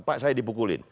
pak saya dipukulin